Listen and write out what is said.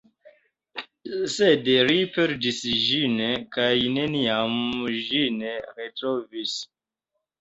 Sed li perdis ĝin kaj neniam ĝin retrovis.